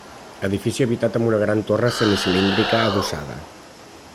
Edifici habitat amb una gran torre semicilíndrica adossada.